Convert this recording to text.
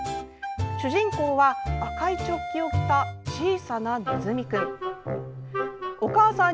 主人公は赤いチョッキを着た小さなねずみくん。